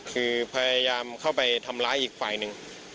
คือพยายามเข้าไปทำร้ายอีกฝ่ายหนึ่ง